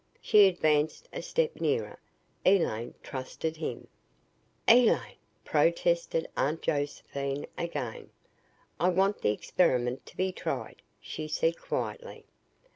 She advanced a step nearer. Elaine trusted him. "Elaine!" protested Aunt Josephine again. "I want the experiment to be tried," she said quietly.